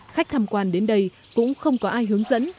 khách tham quan đến đây cũng không có ai hướng dẫn